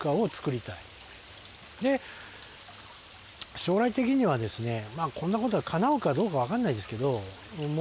将来的にはですねこんなことがかなうかどうかわからないですけど。